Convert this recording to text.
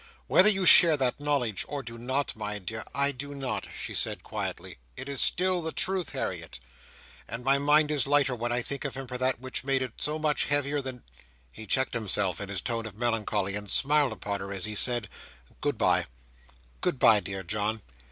Whether you share that knowledge, or do not, my dear—" "I do not," she said quietly. "It is still the truth, Harriet, and my mind is lighter when I think of him for that which made it so much heavier then." He checked himself in his tone of melancholy, and smiled upon her as he said "Good bye!" "Good bye, dear John!